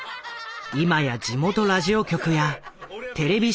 今や地元ラジオ局やテレビ